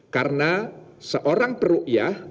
karena seorang per ru'yah